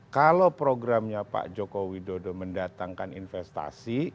kalau programnya pak joko widodo mendatangkan investasi